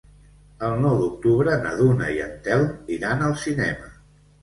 El nou d'octubre na Duna i en Telm iran al cinema.